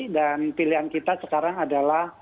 dan pilihan kita sekarang adalah